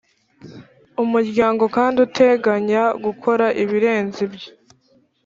Umuryango kandi uteganya gukora ibirenze ibyo